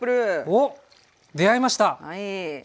おっ出会いました！